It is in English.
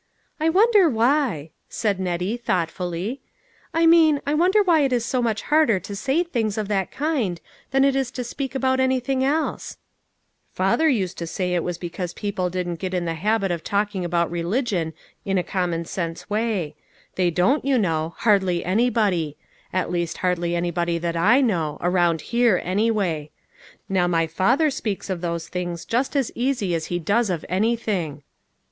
" I wonder why ?" said Nettie thoughtfully ;" I mean, I wonder why it is so much harder to say things of that kind than it is to speak about anything else ?"" Father used to say it was because people didn't get in the habit of talking about religion in a common sense way. They don't, you know ; hardly anybody. At least hardly anybody that I know; around here, anyway. Now my father speaks of those things just as easy as he does of anything."